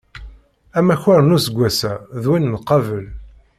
Amakar n useggwass-a, d win n qabel.